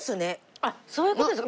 あっそういう事ですか！